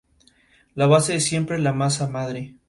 El municipio está regado por el río Tormes.